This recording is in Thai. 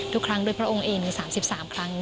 ทุกครั้งด้วยพระองค์เอสาร์๓๓ครังนี้ค่ะ